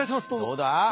どうだ？